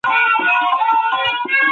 دا ټوکر تر هغه بل ډېر کلک دی.